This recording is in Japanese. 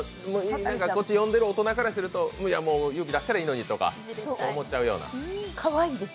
読んでる大人からすると勇気出したらいいのにとか思っちゃうような。